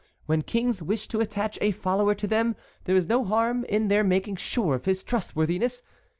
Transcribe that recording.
When kings wish to attach a follower to them there is no harm in their making sure of his trustworthiness.